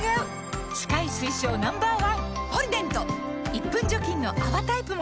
１分除菌の泡タイプも！